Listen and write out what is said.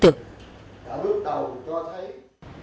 đã bước đầu cho thấy